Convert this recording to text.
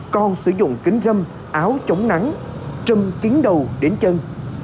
còn sử dụng kính râm áo chống nắng trâm chín đầu đến chân